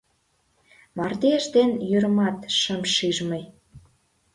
Мардеж ден йÿрымат шым шиж мый –